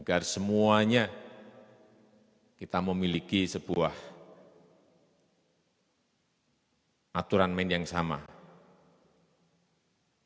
agar semuanya kita memiliki sebuah aturan main yang sama